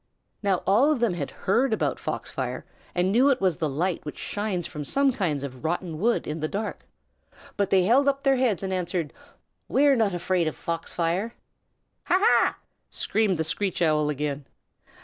Now all of them had heard about fox fire and knew it was the light which shines from some kinds of rotten wood in the dark, but they held up their heads and answered, "We're not afraid of fox fire." "Ha ha!" screamed the Screech Owl again.